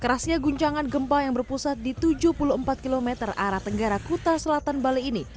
kerasnya guncangan gempa yang berpusat di tujuh puluh empat km arah tenggara kuta selatan bali ini